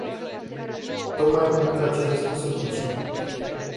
Tocmai am primit acest răspuns în principiu.